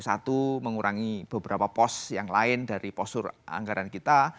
satu mengurangi beberapa pos yang lain dari postur anggaran kita